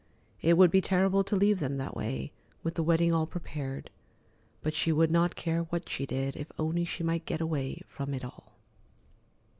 It would be terrible to leave them that way, with the wedding all prepared, but she would not care what she did if only she might get away from it all.